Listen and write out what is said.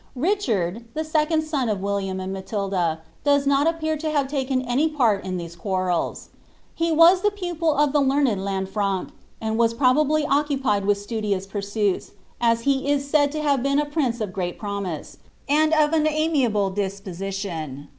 Eicharil, the second son of William and Matilda, dofs not sppcar to hare taken any part in tliese quarrels. He was ihe ptipi! of the Immeii I^infranc, and w«s probably occupied with siudions pursnits, ns he is taid to have been a prince of great promise, and of an aniiable dii>pwi tion.